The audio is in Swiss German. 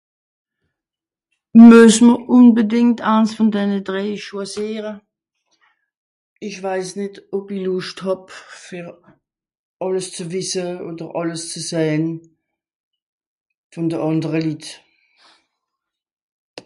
Mues m'r unbedìngt aans vùn denne drèi schwàsiere ? Ìch weis nìt, ob ìch Luscht hàb, fer àlles ze wisse, odder alles ze sëhn vùn de àndere Litt.